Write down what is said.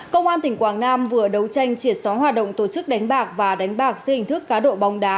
công an tỉnh quảng nam vừa đấu tranh triệt sóng hoạt động tổ chức đánh bạc và đánh bạc xe hình thức khá độ bóng đá